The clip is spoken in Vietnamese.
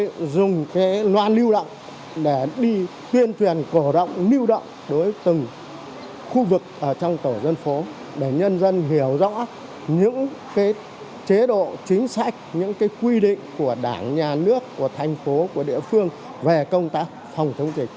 chúng tôi dùng cái loa lưu động để đi tuyên truyền cổ động lưu động đối với từng khu vực ở trong tổ dân phố để nhân dân hiểu rõ những chế độ chính sách những quy định của đảng nhà nước của thành phố của địa phương về công tác phòng chống dịch